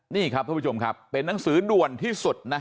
นี่ครับท่านผู้ชมครับเป็นหนังสือด่วนที่สุดนะ